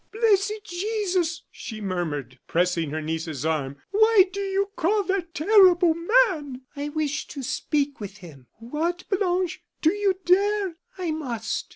"Blessed Jesus!" she murmured, pressing her niece's arm; "why do you call that terrible man?" "I wish to speak with him." "What, Blanche, do you dare " "I must!"